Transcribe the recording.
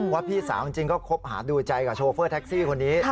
พี่สาวจริงก็คบหาดูใจกับโชเฟอร์แท็กซี่คนนี้